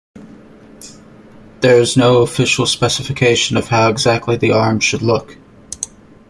There is no official specification of how exactly the arms should look.